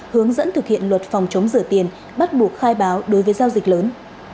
hướng dẫn thực hiện luật phòng chống rửa tiền bắt buộc khai báo đối với giao dịch lớn